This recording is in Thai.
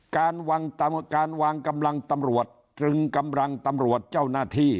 การวางกำลังตำรวจตรึงกำลังตำรวจเจ้าหน้าที่